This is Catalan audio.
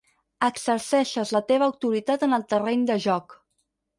Exerceixes la teva autoritat en el terreny de joc.